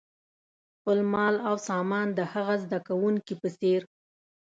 خپل مال او سامان د هغه زده کوونکي په څېر.